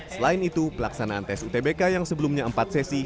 selain itu pelaksanaan tes utbk yang sebelumnya empat sesi